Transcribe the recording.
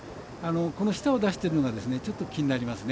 舌を出しているのがちょっと気になりますね。